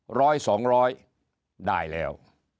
๑๐๐๒๐๐ประโยชน์ได้แล้ว